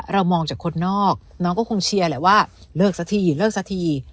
เรามองจากคนนอกน้องก็คงเชียร์แหละว่าเลิกสักทีเลิกสักที